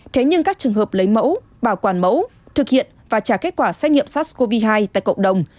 thế nhưng các trường hợp lấy mẫu bảo quản mẫu thực hiện và trả kết quả xét nghiệm sars cov hai tại cộng đồng